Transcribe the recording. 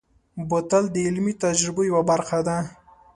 بوتل د علمي تجربو یوه برخه ده.